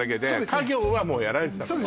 家業はもうやられてたのね